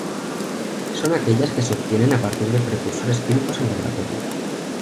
Son aquellas que se obtienen a partir de precursores químicos en laboratorio.